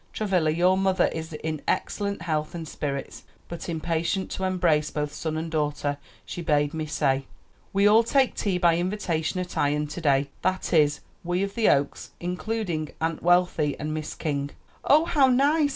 "Travilla, your mother is in excellent health and spirits; but impatient to embrace both son and daughter, she bade me say. We all take tea by invitation at Ion to day; that is, we of the Oaks, including Aunt Wealthy and Miss King." "Oh, how nice!